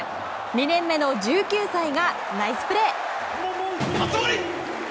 ２年目の１９歳がナイスプレー！